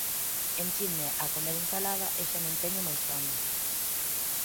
Enchinme a comer ensalada e xa non teño máis fame.